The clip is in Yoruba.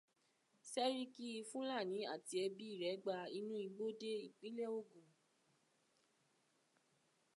Séríkí Fúlàní àti ẹbí rẹ̀ gba inú igbó dé ìpínlẹ̀ Ògùn.